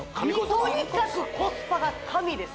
とにかくコスパが神です